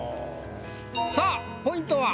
さあポイントは？